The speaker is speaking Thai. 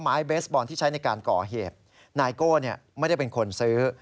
เบสบอลที่ใช้ในการก่อเหตุนายโก้ไม่ได้เป็นคนซื้อ